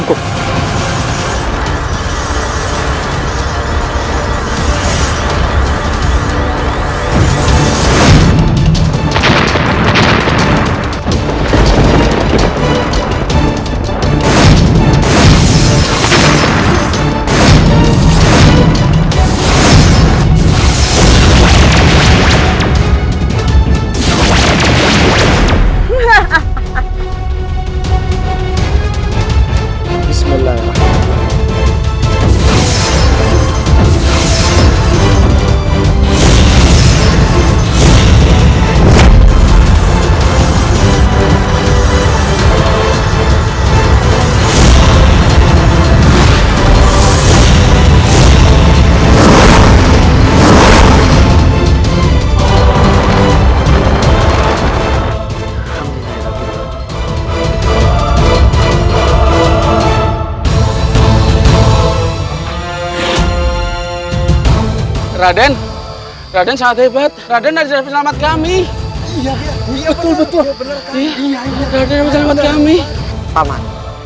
kami benar benar sembuh raden